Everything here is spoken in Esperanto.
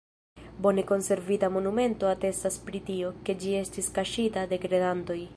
Bone konservita monumento atestas pri tio, ke ĝi estis kaŝita de kredantoj.